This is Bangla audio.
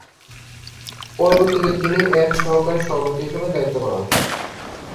পরবর্তীতে তিনি এর সহকারী সভাপতি হিসেবে দায়িত্ব পালন করেন।